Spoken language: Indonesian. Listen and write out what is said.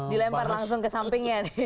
dilempar langsung ke sampingnya